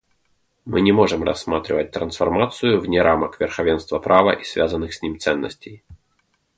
Мы не можем рассматривать трансформацию вне рамок верховенства права и связанных с ним ценностей.